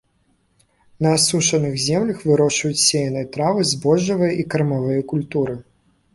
На асушаных землях вырошчваюць сеяныя травы, збожжавыя і кармавыя культуры.